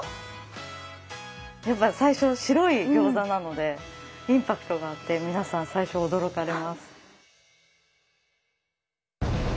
やっぱ最初白い餃子なのでインパクトがあって皆さん最初驚かれます。